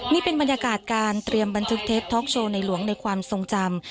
นี่เป็นบรรยากาศการเตรียมบันทึกเทปท็อกโชว์ในหลวงในความทรงจำ